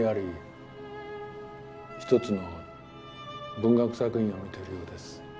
文学作品を見てるようです。